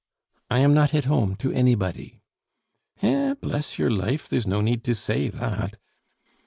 "I am not at home to anybody!" "Eh! bless your life, there's no need to say that!"